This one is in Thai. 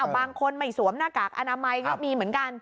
บางคนไม่สวมหน้ากากอนามัยก็มีเหมือนกัน